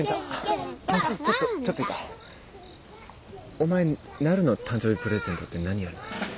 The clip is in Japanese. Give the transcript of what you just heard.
お前なるの誕生日プレゼントって何やるの？